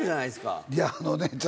いやあのね。